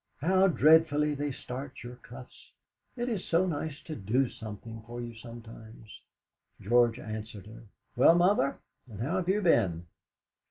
How dreadfully they starch your cuffs! It is so nice to do something for you sometimes!" George answered her: "Well, Mother, and how have you been?"